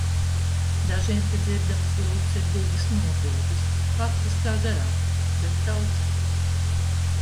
Dažiem te dzirdamas grūtsirdīgas nopūtas. Latviskā garā, bet traucē!